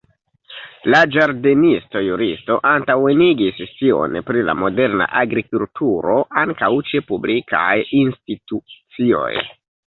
La ĝardenisto-juristo antaŭenigis scion pri la moderna agrikulturo ankaŭ ĉe publikaj institucioj.